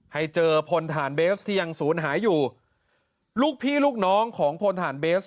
ให้เจอพลฐานเบสที่ยังศูนย์หายอยู่ลูกพี่ลูกน้องของพลฐานเบส